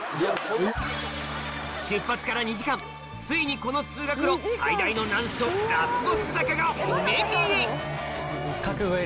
ついにこの通学路最大の難所ラスボス坂がお目見え！